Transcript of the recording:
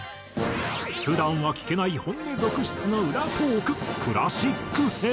普段は聞けない本音続出の裏トーククラシック編。